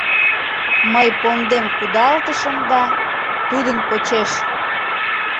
Мый пондем кудалтышым да — тудын почеш.